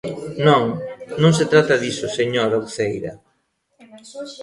Non, non se trata diso, señora Uceira.